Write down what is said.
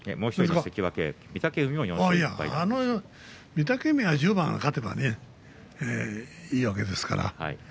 御嶽海は１０番勝てばいいわけですから。